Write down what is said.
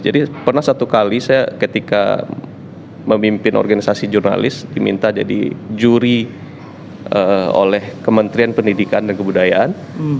jadi pernah satu kali saya ketika memimpin organisasi jurnalis diminta jadi juri oleh kementrian pendidikan dan kebudayaan